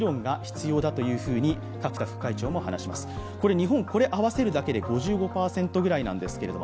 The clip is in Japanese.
日本これを合わせるだけで５５％くらいなんですけれども